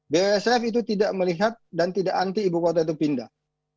bwsf itu tidak melihat dan tidak anti ibu kota itu pindah